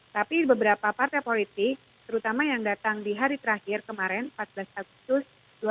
tapi beberapa partai politik terutama yang datang di hari terakhir kemarin empat belas agustus dua ribu dua puluh